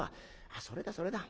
「あっそれだそれだ。